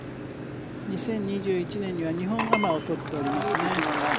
２０２１年には日本アマを取っていますね。